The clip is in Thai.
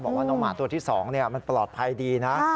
บอกว่าน้องหมาตัวที่๒มันปลอดภัยดีนะ